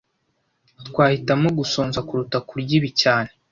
Twahitamo gusonza kuruta kurya ibi cyane